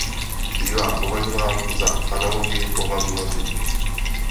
Bývá považován za analogii pohlavního styku.